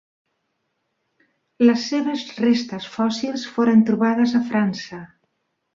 Les seves restes fòssils foren trobades a França.